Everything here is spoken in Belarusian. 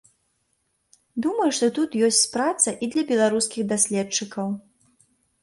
Думаю, што тут ёсць праца і для беларускіх даследчыкаў.